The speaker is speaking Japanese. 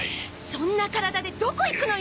そんな体でどこ行くのよ！？